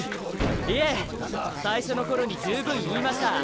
いえ最初の頃に十分言いました。